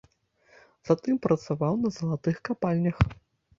Затым працаваў на залатых капальнях.